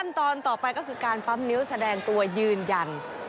ตอนต่อไปก็คือการปั๊มนิ้วแสดงตัวยืนยัน